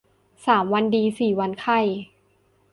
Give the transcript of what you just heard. สามวันดีสี่วันไข้